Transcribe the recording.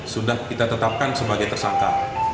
sudah kita tetapkan sebagai tersangka